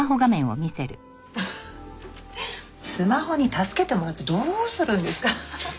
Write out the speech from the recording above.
スマホに助けてもらってどうするんですか。